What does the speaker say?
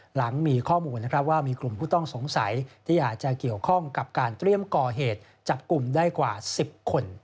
หลังมีข้อมูลนะครับว่ามีกลุ่มผู้ต้องสงสัยที่อาจจะเกี่ยวข้องกับการเตรียมก่อเหตุจับกลุ่มได้กว่า๑๐คน